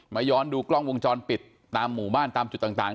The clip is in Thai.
ย้อนดูกล้องวงจรปิดตามหมู่บ้านตามจุดต่าง